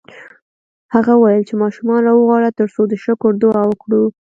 هغه وویل چې ماشومان راوغواړه ترڅو د شکر دعا وکړو